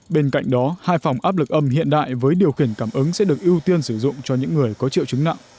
bên cạnh đó hai phòng áp lực âm hiện đại với điều khiển cảm ứng sẽ được ưu tiên sử dụng cho những người có triệu chứng nặng